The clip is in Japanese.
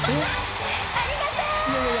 ありがとう！